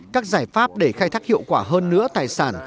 các giải pháp để khai thác hiệu quả hơn nữa tài sản